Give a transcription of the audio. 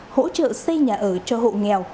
hỗ trợ xây nhà ở cho hộ nghèo